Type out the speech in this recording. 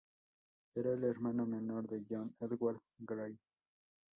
Era el hermano menor de John Edward Gray.